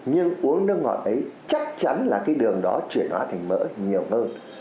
nhưng uống nước ngọt ấy chắc chắn là cái đường đó chuyển hóa thành mỡ nhiều hơn